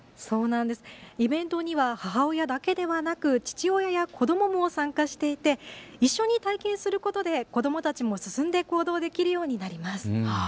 イベントには母親だけではなく父親や子どもも参加していて一緒に体験することで子どもたちも進んで行動できるようになります。